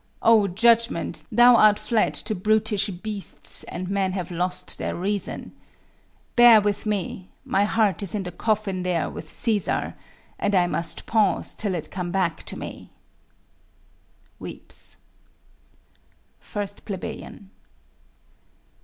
Oh, judgment, thou art fled to brutish beasts, And men have lost their reason! Bear with me; My heart is in the coffin there with Cæsar, And I must pause till it come back to me. [Weeps. _1 Plebeian.